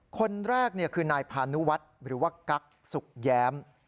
คนแรกคือนายพานุวัฒน์หรือว่ากั๊กสุกแย้ม